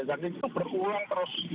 dan itu berulang terus